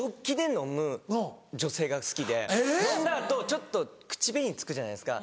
飲んだ後ちょっと口紅付くじゃないですか。